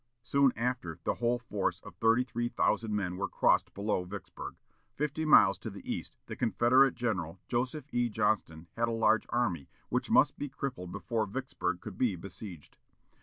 Soon after, the whole force of thirty three thousand men were crossed below Vicksburg. Fifty miles to the east, the Confederate General Joseph E. Johnston had a large army, which must be crippled before Vicksburg could be besieged.